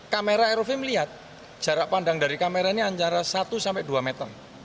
kamera rov melihat jarak pandang dari kamera ini antara satu sampai dua meter